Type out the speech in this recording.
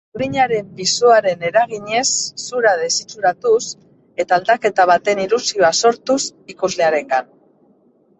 Burdinaren pisuaren eraginez zura desitxuratuz, eta aldaketa baten ilusioa sortuz ikuslearengan.